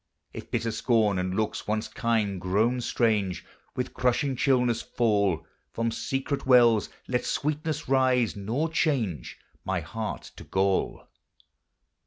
If bitter scorn, and looks, once kind, grown strange, With crushing chillness fall, From secret wells let sweetness rise, nor change My heart to gall